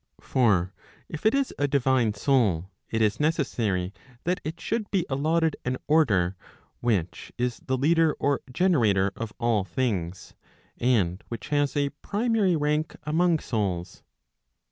£For if it is a divine soul] it is necessary that it should be allotted an order £ which is the leader or generator *] of all things, and which has a primary rank among souls.